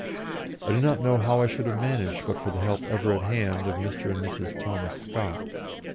I do not know how I should have managed but for the help ever at hand, of Mr. and Mrs. Thomas Scott.